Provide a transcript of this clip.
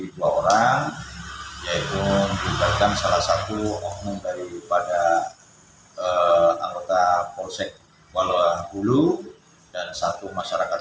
dua orang yaitu diberikan salah satu oknum daripada anggota polsek walauanggulu dan satu masyarakat